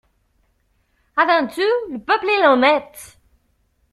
Avant tout, le peuple est honnête!